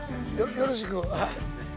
よろしく。